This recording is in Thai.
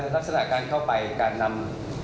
ลักษณะการเข้าไปการนำ